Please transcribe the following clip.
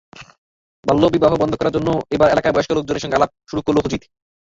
বাল্যবিবাহ বন্ধ করার জন্য এবার এলাকার বয়স্ক লোকজনের সঙ্গে আলাপ শুরু করল হজিত।